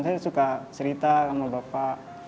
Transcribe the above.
saya suka cerita sama bapak